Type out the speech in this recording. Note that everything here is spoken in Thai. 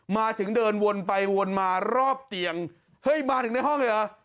มาถึงเดินวนไปวนมารอบเตียงเฮ้ยมาถึงในห้องเลยเหรอ